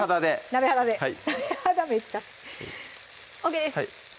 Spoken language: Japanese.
鍋肌で鍋肌めっちゃＯＫです